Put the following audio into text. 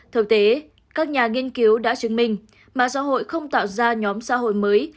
thực tế các nhà nghiên cứu đã chứng minh mạng xã hội không tạo ra nhóm xã hội mới